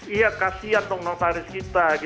iya kasian dong notaris kita